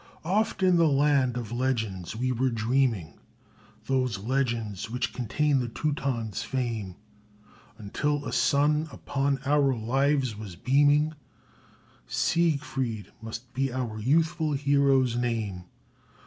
Oft in the land of legends we were dreaming Those legends which contain the Teuton's fame, Until a son upon our lives was beaming, Siegfried must be our youthful hero's name.